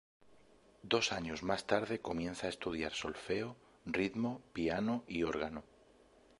Dos años más tarde comienza a estudiar solfeo, ritmo, piano y órgano.